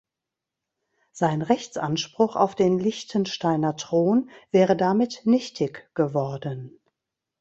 Sein Rechtsanspruch auf den Liechtensteiner Thron wäre damit nichtig geworden.